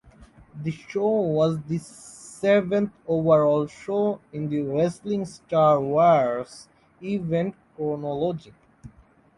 The show was the seventh overall show in the "Wrestling Star Wars" event chronology.